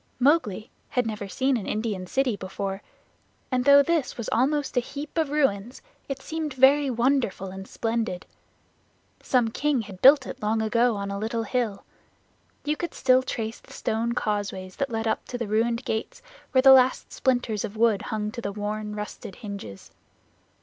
Mowgli had never seen an Indian city before, and though this was almost a heap of ruins it seemed very wonderful and splendid. Some king had built it long ago on a little hill. You could still trace the stone causeways that led up to the ruined gates where the last splinters of wood hung to the worn, rusted hinges.